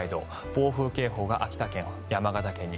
暴風警報が秋田県、山形県に。